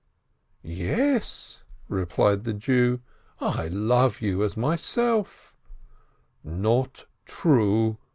"Yes," replied the Jew, "I love you as myself." "Not true!"